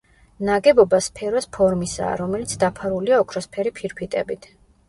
ნაგებობა სფეროს ფორმისაა, რომელიც დაფარულია ოქროსფერი ფირფიტებით.